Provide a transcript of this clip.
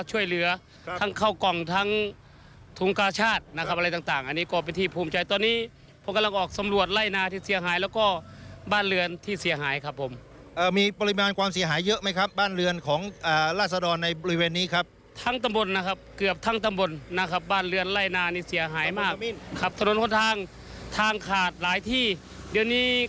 ช่วยเหลือทั้งเข้ากล่องทั้งถุงกาชาตินะครับอะไรต่างต่างอันนี้ก็เป็นที่ภูมิใจตอนนี้พอกำลังออกสำรวจไล่นาที่เสียหายแล้วก็บ้านเรือนที่เสียหายครับผมมีปริมาณความเสียหายเยอะไหมครับบ้านเรือนของราศดรในบริเวณนี้ครับทั้งตำบลนะครับเกือบทั้งตำบลนะครับบ้านเรือนไล่นานี่เสียหายมากขับถนนคนทางทางขาดหลายที่เดี๋ยวนี้